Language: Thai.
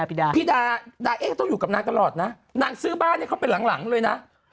พี่ดาดาเอ๊ต้องอยู่กับนางตลอดนะนางซื้อบ้านให้เขาเป็นหลังหลังเลยนะ